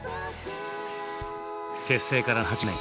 結成から８年。